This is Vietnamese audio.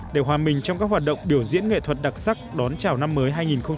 để hòa mình trong các hoạt động biểu diễn nghệ thuật đặc sắc đón chào năm mới hai nghìn hai mươi